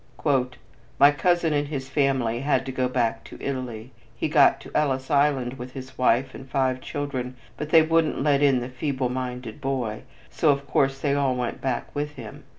"My cousin and his family had to go back to Italy. He got to Ellis Island with his wife and five children, but they wouldn't let in the feeble minded boy, so of course they all went back with him.